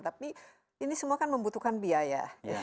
tapi ini semua kan membutuhkan biaya